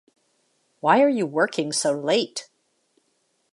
Why are you working so late?